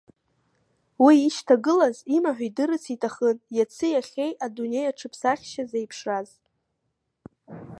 Уи ишьҭагылаз имаҳә идырырц иҭахын иаци иахьеи адунеи аҽыԥсахшьа зеиԥшраз.